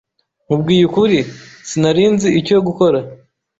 Nkubwije ukuri, sinari nzi icyo gukora.